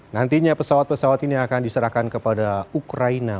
nantinya pesawat pesawat ini akan diserahkan kepada ukraina